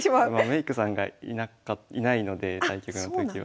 メイクさんがいないので対局の時は。